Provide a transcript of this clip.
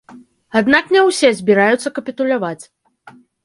Аднак не ўсе збіраюцца капітуляваць.